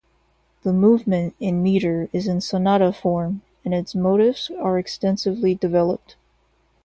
The movement, in meter, is in sonata form, and its motifs are extensively developed.